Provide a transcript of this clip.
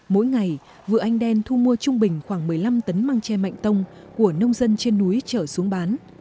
mỗi ngày vựa anh đen thu mua trung bình khoảng một mươi năm tấn măng tre mạnh tông của nông dân trên núi chở xuống bán